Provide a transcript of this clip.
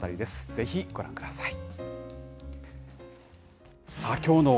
ぜひご覧ください。